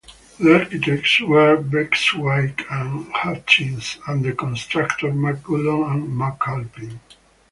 The architects were Beswicke and Hutchins and the contractor McCullogh and McAlpine.